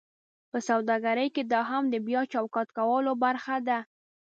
په سوداګرۍ کې دا هم د بیا چوکاټ کولو برخه ده: